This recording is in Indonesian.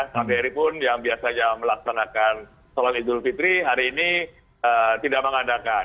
kbri pun yang biasanya melaksanakan sholat idul fitri hari ini tidak mengadakan